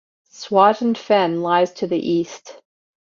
Swaton Fen lies to the east.